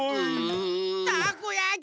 たこやき！